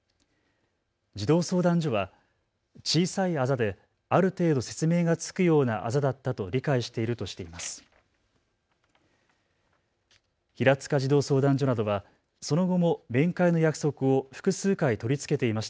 児童相談所は小さいあざである程度、説明がつくようなあざだったと理解しているとしています。